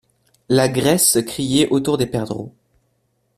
La graisse criait autour des perdreaux.